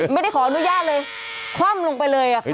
ไม่ได้ขออนุญาตเลยคว่ำลงไปเลย